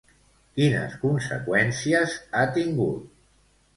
Quines conseqüències ha tingut?